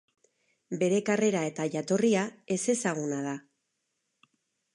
Bere karrera eta jatorria ezezaguna da.